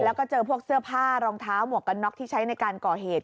แล้วก็เจอพวกเสื้อผ้ารองเท้าหมวกกันน็อกที่ใช้ในการก่อเหตุ